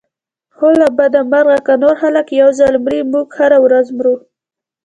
خو له بده مرغه که نور خلک یو ځل مري موږ هره ورځ مرو.